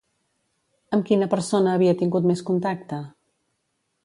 Amb quina persona havia tingut més contacte?